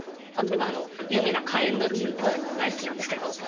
例えば有名な火焔土器大好きなんですけど。